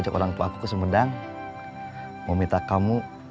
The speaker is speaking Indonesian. teh kinasi udah masuk kamu bisa kesini